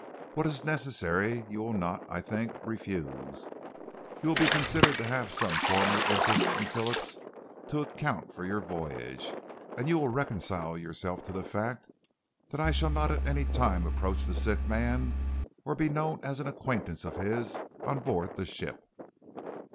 What is necessary you will not, I think, refuse. You will be considered to have had some former interest in Phillips, to account for your voyage, and you will reconcile yourself to the fact that I shall not at any time approach the sick man, or be known as an acquaintance of his on board the ship."